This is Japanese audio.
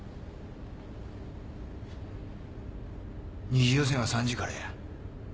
二次予選は３時からや。